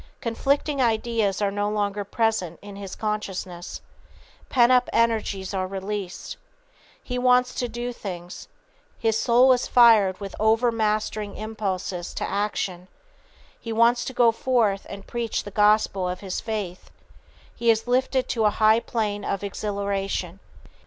Conflicting ideas are no longer present in his consciousness. Pent up energies are released. He wants to do things. His soul is fired with overmastering impulses to action. He wants to go forth and preach the gospel of his faith. He is lifted to a high plane of exhilaration.